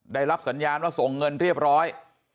ได้รับสัญญาณว่าส่งเงินเรียบร้อย